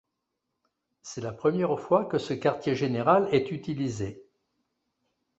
C’est la première fois que ce quartier général est utilisé.